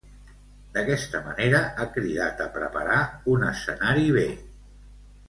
D'aquesta manera, ha cridat a preparar un escenari B.